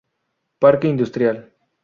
Parque Industrial.